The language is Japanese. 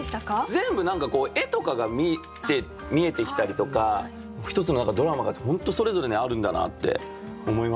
全部何か絵とかが見えてきたりとか一つの何かドラマが本当それぞれにあるんだなって思いましたね。